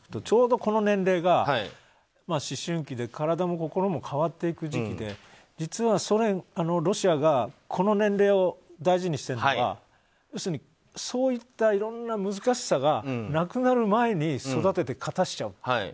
ちょうどこの年齢が思春期で体も心も変わっていく時期で実は、ロシアがこの年齢を大事にしているのは要するに、そういったいろいろな難しさがなくなる前に育てて勝たせちゃおうと。